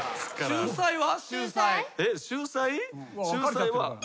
秀才は。